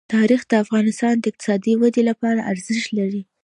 تاریخ د افغانستان د اقتصادي ودې لپاره ارزښت لري.